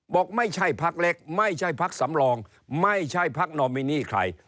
บอกไม่ใช่ภักดิ์เล็กไม่ใช่ภักดิ์สำรองไม่ใช่ภักดิ์นอมินี่ใคร